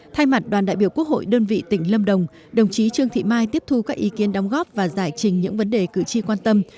thay mặt đoàn đại biểu quốc hội đơn vị tỉnh lâm đồng đồng chí trương thị mai tiếp thu các ý kiến đóng góp và giải trình những vấn đề cử tri quan tâm